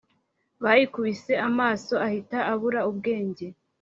bayikubise amaso ahita abura ubwenge